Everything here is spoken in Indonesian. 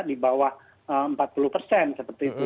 di bawah empat puluh persen seperti itu